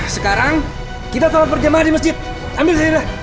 sekarang kita salat perjamahan di masjid ambil sehera